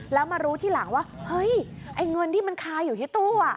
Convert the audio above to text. และมารู้ที่หลังว่าเฮ้ยไอ้เงินมาลายอยู่ที่ตู้อะ